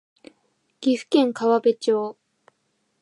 岐阜県川辺町